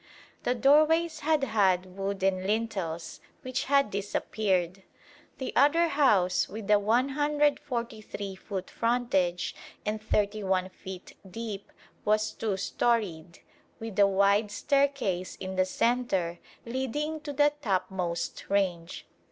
The doorways had had wooden lintels, which had disappeared. The other house, with a 143 foot frontage and 31 feet deep, was two storeyed, with a wide staircase in the centre leading to the topmost range.